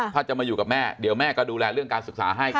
ถ้าจะมาอยู่กับแม่เดี๋ยวแม่ก็ดูแลเรื่องการศึกษาให้